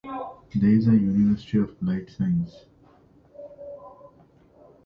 There is a university of applied sciences.